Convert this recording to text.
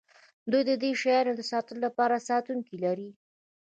دوی د دې شیانو د ساتلو لپاره ساتونکي لري